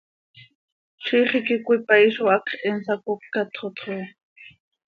¡Ziix iiqui cöipaii zo hacx he nsacócatx xo!